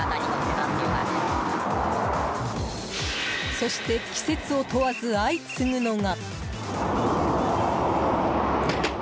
そして、季節を問わず相次ぐのが。